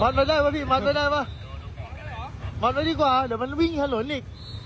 มันไปได้ป่ะพี่มัดไม่ได้ป่ะมัดไว้ดีกว่าเดี๋ยวมันวิ่งถนนอีก